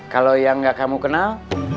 kalau yang nggak kamu kenal